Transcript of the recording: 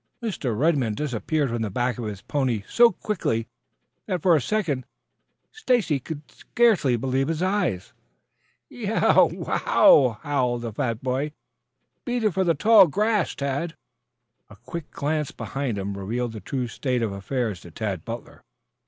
Mr. Redman disappeared from the back of his pony so quickly that, for a second, Stacy could scarcely believe his eyes. "Y e o w! W o w!" howled the fat boy. "Beat it for the tall grass, Tad!" A quick glance behind him, revealed the true state of affairs to Tad Butler.